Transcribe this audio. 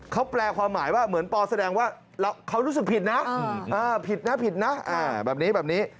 เขาแปลความหมายว่าเหมือนปอแสดงว่าเขารู้สึกผิดนะผิดนะผิดนะแบบนี้แบบนี้